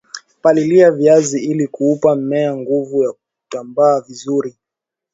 Palilia viazi ili kuupa mmea nguvu ya kutambaa vizuri